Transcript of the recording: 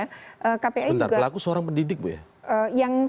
sebentar pelaku seorang pendidik bu ya